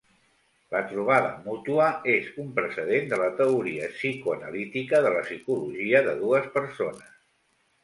La trobada mútua és un precedent de la teoria psicoanalítica de la psicologia de dues persones.